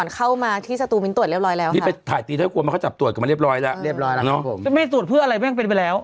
เขาจะหยุดตรวจกันแล้วรู้ยัง